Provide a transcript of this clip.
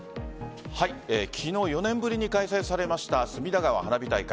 昨日、４年ぶりに開催された隅田川花火大会。